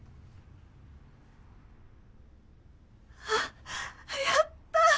あっやった！